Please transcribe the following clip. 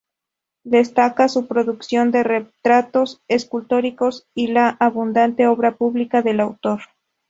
Destaca su producción de retratos escultóricos y la abundante obra pública del autor.